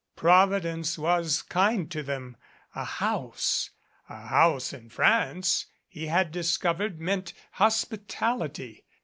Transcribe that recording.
Providence was kind to them. A house ! A house in France, he had discovered, meant hospitality.